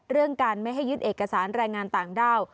เรื่องการไม่ให้ยึดเอกสารแรงงานต่างด้าว